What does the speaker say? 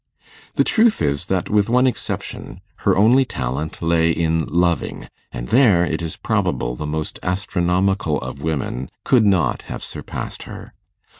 The truth is, that, with one exception, her only talent lay in loving; and there, it is probable, the most astronomical of women could not have surpassed her.